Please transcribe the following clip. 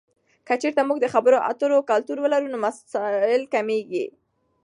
که چیرته موږ د خبرو اترو کلتور ولرو، نو مسایل کمېږي.